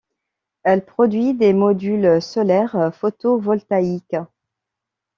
Elle produit des modules solaires photovoltaïques.